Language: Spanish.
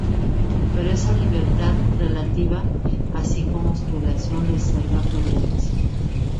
Pero esa libertad relativa, así como su relación, les traerá problemas.